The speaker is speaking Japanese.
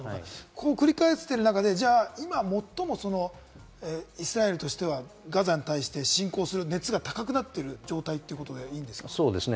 繰り返している中で、今もっともイスラエルとしては、ガザに対して侵攻する熱が高くなっている状態ということでよろしいですか？